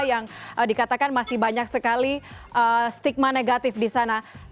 yang dikatakan masih banyak sekali stigma negatif di sana